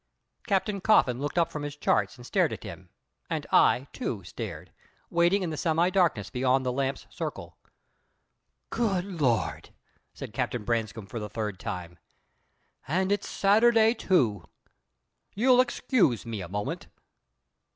Captain Coffin looked up from his charts and stared at him, and I, too, stared, waiting in the semi darkness beyond the lamp's circle. "Good Lord!" said Captain Branscome for the third time. "And it's Saturday, too! You'll excuse me a moment."